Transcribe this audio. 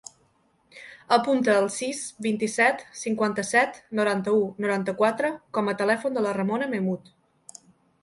Apunta el sis, vint-i-set, cinquanta-set, noranta-u, noranta-quatre com a telèfon de la Ramona Mehmood.